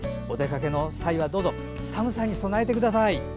お出かけの際はどうぞ寒さに備えてください。